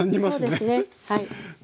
そうですねはい。